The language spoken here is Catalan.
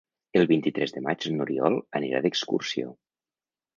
El vint-i-tres de maig n'Oriol anirà d'excursió.